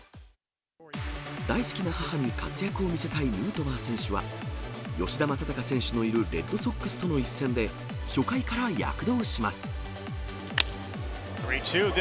大好きな母に活躍を見せたいヌートバー選手は、吉田正尚選手のいるレッドソックスとの一戦で、初回から躍動します。